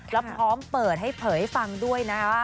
แล้วพร้อมเปิดให้เผยให้ฟังด้วยนะคะ